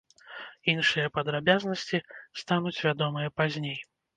Іншыя падрабязнасці стануць вядомыя пазней.